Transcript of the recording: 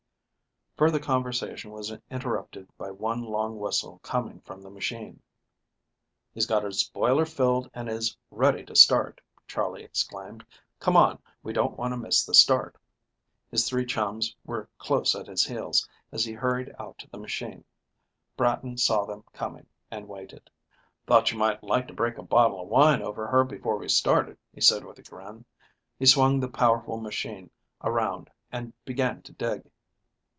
Further conversation was interrupted by one long whistle coming from the machine. "He's got his boiler filled and is ready to start," Charley exclaimed. "Come on; we don't want to miss the start." His three chums were close at his heels, as he hurried out to the machine. Bratton saw them coming, and waited. "Thought you might like to break a bottle of wine over her before we started," he said, with a grin. He swung the powerful machine around and began to dig.